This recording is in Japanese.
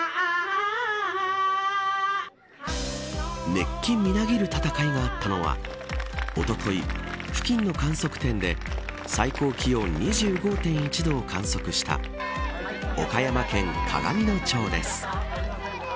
熱気みなぎる戦いがあったのはおととい、付近の観測点で最高気温２５．１度を観測した岡山県鏡野町です。